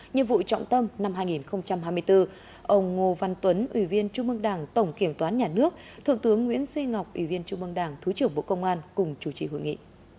nhiệm vụ trọng tâm năm hai nghìn hai mươi bốn ông ngô văn tuấn ủy viên trung mương đảng tổng kiểm toán nhà nước thượng tướng nguyễn duy ngọc ủy viên trung mương đảng thứ trưởng bộ công an cùng chủ trì hội nghị